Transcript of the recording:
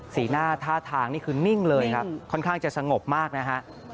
สีหน้าท่าทางนี่คือนิ่งเลยครับค่อนข้างจะสงบมากนะฮะ